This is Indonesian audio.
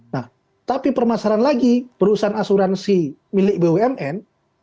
nah tapi permasalahan lagi perusahaan asuransi milik bumn